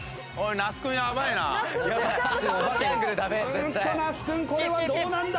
那須君これはどうなんだ？